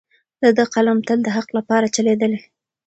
د ده قلم تل د حق لپاره چلیدلی دی.